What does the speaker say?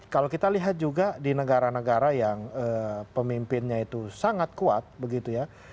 kalau kita lihat juga di negara negara yang pemimpinnya itu sangat kuat begitu ya